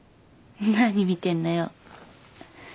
何見てんのよ？